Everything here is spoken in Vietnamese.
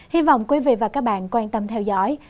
hy vọng quý vị và các bạn quan tâm theo dõi